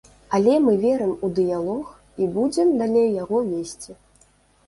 Але мы верым у дыялог і будзем далей яго весці.